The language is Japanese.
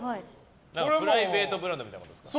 プライベートブランドみたいなことですか。